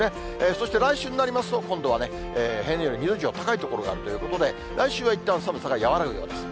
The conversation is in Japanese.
そして来週になりますと、今度はね、平年より２度以上高い所があるということで、来週はいったん寒さが和らぐようです。